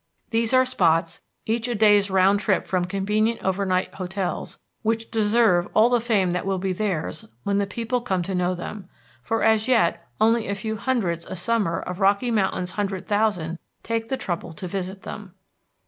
These are spots, each a day's round trip from convenient overnight hotels, which deserve all the fame that will be theirs when the people come to know them, for as yet only a few hundreds a summer of Rocky Mountain's hundred thousand take the trouble to visit them.